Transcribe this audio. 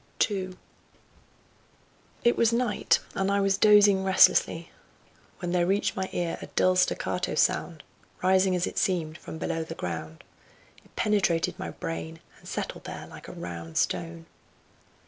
II It was night and I was dosing restlessly, when there reached my ear a dull staccato sound, rising as it seemed from below the ground; it penetrated my brain, and settled there like a round stone.